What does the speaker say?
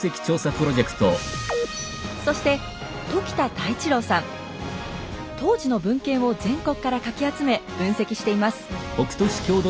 そして当時の文献を全国からかき集め分析しています。